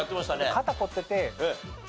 肩凝ってて。